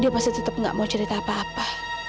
dia masih tetap gak mau cerita apa apa